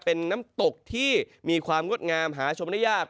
เป็นน้ำตกที่มีความงดงามหาชมได้ยาก